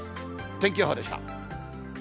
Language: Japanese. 天気予報でした。